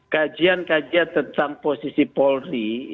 kajian kajian tentang posisi polri